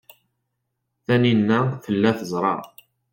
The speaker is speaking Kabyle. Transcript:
Taninna tella teẓra.